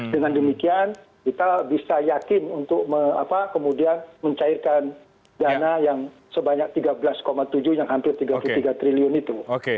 dengan demikian kita bisa yakin untuk kemudian mencairkan dana yang sebanyak tiga belas tujuh yang hampir tiga puluh tiga triliun itu